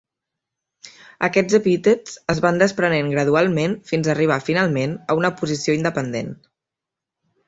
Aquests epítets es van desprenent gradualment fins a arribar finalment a una posició independent.